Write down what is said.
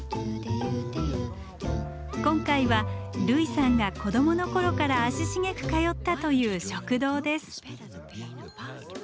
今回は類さんが子どもの頃から足しげく通ったという食堂です。